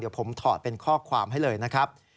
เดี๋ยวผมถอดเป็นข้อความให้เลยนะครับ